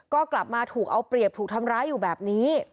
ก็กลับมาถูกเอาเปรียบถูกทำร้ายอยู่แบบนี้